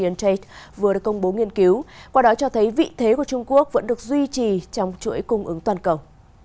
yentage vừa được công bố nghiên cứu qua đó cho thấy vị thế của trung quốc vẫn được duy trì trong chuỗi cung ứng toàn cầu